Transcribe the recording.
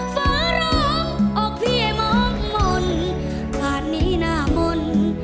ฝนร้องออกเพียงมองมนผ่านนี้หน้ามน